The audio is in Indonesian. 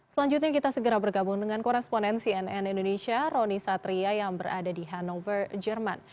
selanjutnya kita segera bergabung dengan koresponen cnn indonesia roni satria yang berada di hannover jerman